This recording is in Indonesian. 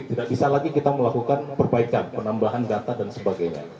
tidak bisa lagi kita melakukan perbaikan penambahan data dan sebagainya